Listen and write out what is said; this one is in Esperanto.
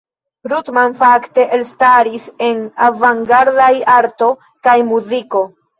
Ruttmann fakte elstaris en avangardaj arto kaj muziko.